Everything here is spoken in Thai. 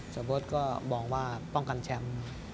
สมมุติก็บอกว่าป้องกันแชมป์